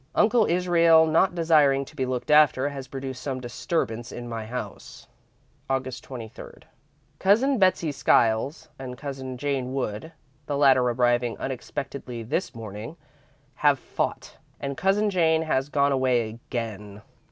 Uncle Israel not desiring to be looked after has produced some disturbance in my house. "Aug. 23. Cousin Betsey Skiles and Cousin Jane Wood, the latter arriving unexpectedly this morning, have fought, and Cousin Jane has gone away again.